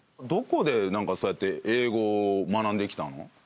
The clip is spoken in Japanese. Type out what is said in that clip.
どこでそうやって英語を学んできたの？